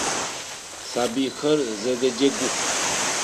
Сабыйхэр зэдэджэгух.